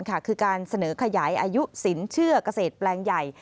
คือการเสนอขยายอายุสินเชื่อเกษตรแปลงใหญ่